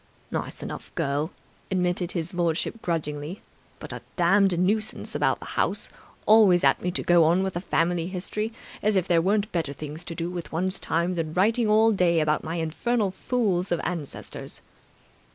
"Nice enough girl," admitted his lordship grudgingly. "But a damned nuisance about the house; always at me to go on with the family history. As if there weren't better things to do with one's time than writing all day about my infernal fools of ancestors!"